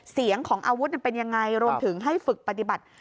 เสียงของอาวุธเป็นยังไงรวมถึงให้ฝึกปฏิบัติ